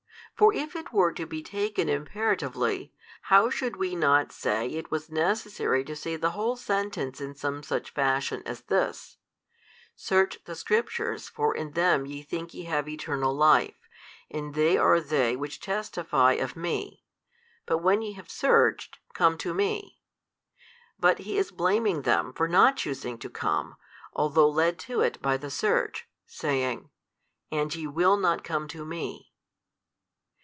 For if it were to be taken imperatively, how should we not say it was necessary to say the whole sentence in some such fashion as this, Search the Scriptures for in them YE think ye have eternal life, and they are they which testify of Me; but when ye have searched, come to Me? But He is blaming them for not choosing to come, although led to it by the search, saying, And ye will not come to Me.